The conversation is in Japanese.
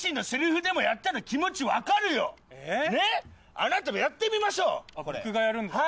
あなたもやってみましょう僕がやるんですか？